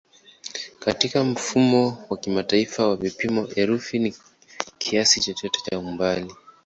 Katika Mfumo wa Kimataifa wa Vipimo, urefu ni kiasi chochote cha umbali.